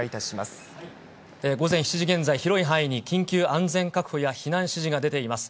午前７時現在、広い範囲に緊急安全確保や、避難指示が出ています。